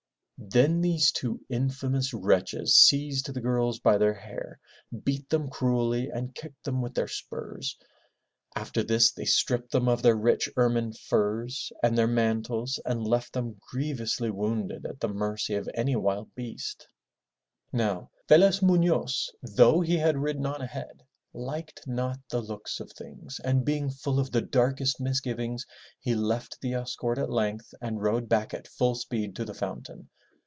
Then these two infamous wretches seized the girls by their hair, beat them cruelly and kicked them with their spurs. After this they stripped them of their rich ermine furs and their mantles, and left them grievously wounded at the mercy of any wild beast. 323 MY BOOK HOUSE Now, Felez Munoz, though he had ridden on ahead, Hked not the looks of things, and being full of the darkest misgivings, he left the escort at length and rode back at full speed to the foun tain.